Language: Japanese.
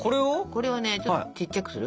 これをねちょっとちっちゃくする。